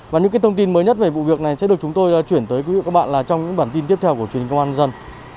và những thông tin mới nhất về vụ việc này sẽ được chúng tôi chuyển tới quý vị và các bạn trong những bản tin tiếp theo của truyền hình công an dân